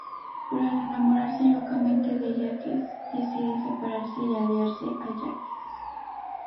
Pero al enamorarse locamente de Jacques, decide separarse y aliarse a Jacques.